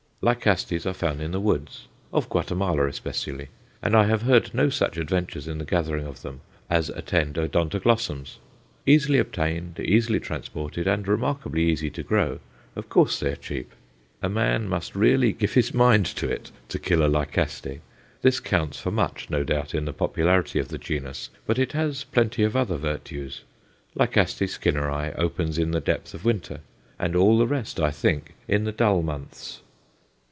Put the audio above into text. Lycastes are found in the woods, of Guatemala especially, and I have heard no such adventures in the gathering of them as attend Odontoglossums. Easily obtained, easily transported, and remarkably easy to grow, of course they are cheap. A man must really "give his mind to it" to kill a Lycaste. This counts for much, no doubt, in the popularity of the genus, but it has plenty of other virtues. L. Skinneri opens in the depth of winter, and all the rest, I think, in the dull months.